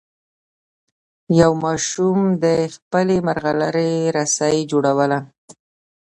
یوه ماشوم د خپلې ملغلرې رسۍ جوړوله.